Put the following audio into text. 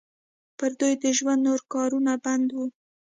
پر دوی د ژوند نور کارونه بند وو.